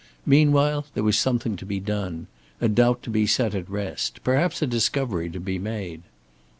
Meanwhile there was something to be done a doubt to be set at rest, perhaps a discovery to be made.